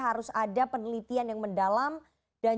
harus ada penelitian yang mendalam dan